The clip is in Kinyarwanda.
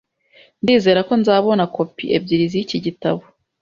Ndizera ko nzabona kopi ebyiri z'iki gitabo.